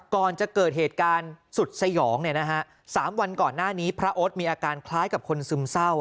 ก่อนจะเกิดเหตุการณ์สุดสยอง๓วันก่อนหน้านี้พระโอ๊ตมีอาการคล้ายกับคนซึมเศร้า